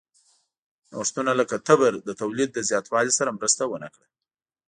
نوښتونه لکه تبر د تولید له زیاتوالي سره مرسته ونه کړه.